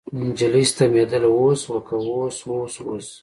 نجلۍ ستمېدله اوس وکه اوس اوس اوس.